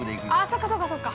◆そっかそっかそっか。